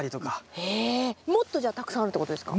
へえもっとじゃあたくさんあるってことですか？